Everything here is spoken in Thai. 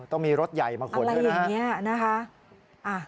ต้องมีรถใหญ่มาขนด้วยนะครับอะไรอย่างนี้นะครับอะไรอย่างนี้นะครับ